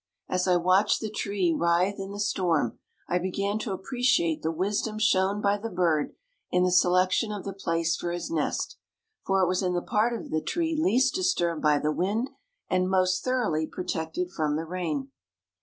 As I watched the tree writhe in the storm I began to appreciate the wisdom shown by the bird in the selection of the place for his nest, for it was in the part of the tree least disturbed by the wind and most thoroughly protected from the rain.